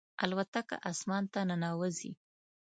الوتکه اسمان ته ننوځي.